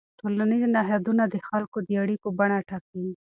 ټولنیز نهادونه د خلکو د اړیکو بڼه ټاکي.